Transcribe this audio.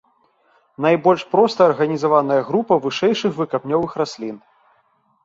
Найбольш проста арганізаваная група вышэйшых выкапнёвых раслін.